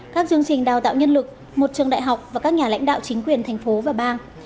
các chương trình đào tạo nhân lực một trường đại học và các nhà lãnh đạo chính quyền thành phố và bang